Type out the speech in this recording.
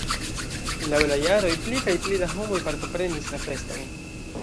Laŭ la jaroj pli kaj pli da homoj partoprenis la feston.